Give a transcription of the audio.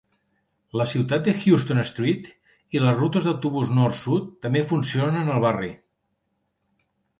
La ciutat de Houston Street i les rutes d'autobús nord-sud també funcionen al barri.